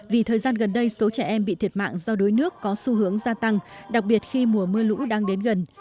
vì thời gian gần đây số trẻ em bị thiệt mạng do đuối nước có xu hướng gia tăng đặc biệt khi mùa mưa lũ đang đến gần